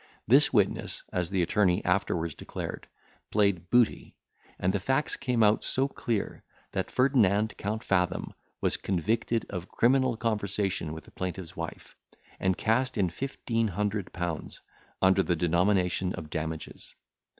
This witness, as the attorney afterwards declared, played booty, and the facts came out so clear, that Ferdinand Count Fathom was convicted of criminal conversation with the plaintiff's wife, and cast in fifteen hundred pounds, under the denomination of damages.